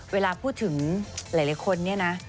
เวลาพูดถึงหลายคนเนี่ยนะ